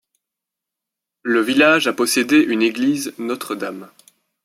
Le village a possédé une église Notre-Dame.